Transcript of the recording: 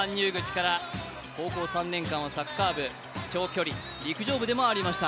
高校３年間はサッカー部、長距離、陸上部でもありました。